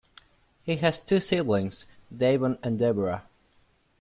He has two siblings, Davon and Deborah.